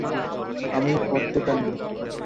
আমি পড়তে পারি না।